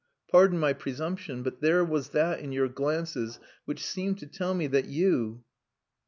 Pardon my presumption. But there was that in your glances which seemed to tell me that you....